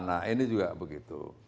nah ini juga begitu